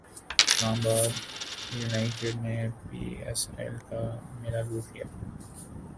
اسلام باد یونائٹیڈ نے P S L کا میلہ لوٹ لیا